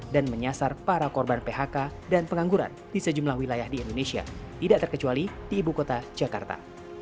dan menyasar para korban phk dan pengangguran di sejumlah wilayah di indonesia tidak terkecuali di ibu kota jakarta